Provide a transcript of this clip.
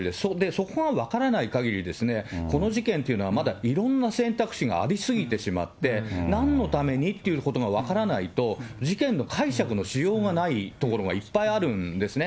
そこが分からないかぎりですね、この事件というのは、まだいろんな選択肢があり過ぎてしまって、なんのためにっていうことが分からないと、事件の解釈のしようがないところがいっぱいあるんですね。